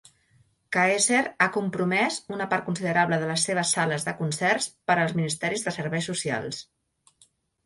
Caeser ha compromès una part considerable de les seves sales de concerts per als ministeris de serveis socials.